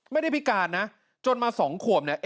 ไม่ได้พิการนะจนมาสองขวบเนี่ย